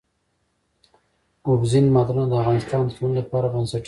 اوبزین معدنونه د افغانستان د ټولنې لپاره بنسټيز رول لري.